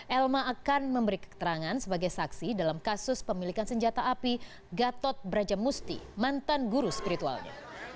elma akan memberi keterangan sebagai saksi dalam kasus pemilikan senjata api gatot brajamusti mantan guru spiritualnya